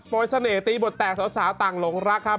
โดยเสน่หตีบทแตกสาวต่างหลงรักครับ